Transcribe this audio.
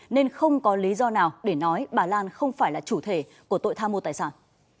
nên không có lý do nào để nói bà lan không phải là chủ thể của tội tham mô tài sản